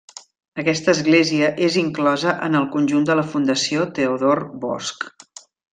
Aquesta església és inclosa en el conjunt de la Fundació Teodor Bosch.